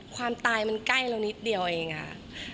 ความตายมันใกล้เรานิดเดียวเองค่ะ